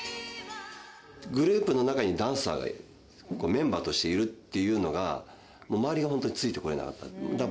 グループの中にダンサーがメンバーとしているっていうのが周りが本当についてこれなかった。